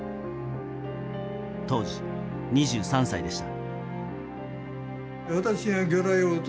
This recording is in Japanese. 当時、２３歳でした。